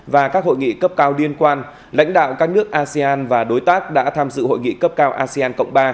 và các hội nghị cấp cao liên quan lãnh đạo các nước asean và đối tác đã tham dự hội nghị cấp cao asean cộng ba